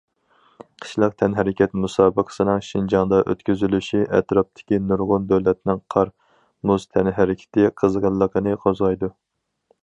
قىشلىق تەنھەرىكەت مۇسابىقىسىنىڭ شىنجاڭدا ئۆتكۈزۈلۈشى ئەتراپتىكى نۇرغۇن دۆلەتنىڭ قار- مۇز تەنھەرىكىتى قىزغىنلىقىنى قوزغايدۇ.